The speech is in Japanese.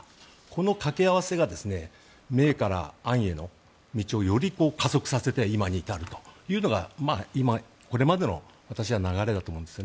このかけ合わせが明から暗への流れをより加速させて今に至るというのがこれまでの私は流れだと思うんです。